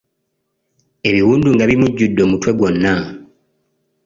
Ebiwundu nga bimujjuddde omutwe gwonna!